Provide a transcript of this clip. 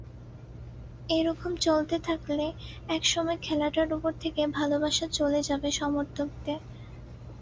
এ রকম চলতে থাকলে একসময় খেলাটার ওপর থেকে ভালোবাসা চলে যাবে সমর্থকদের।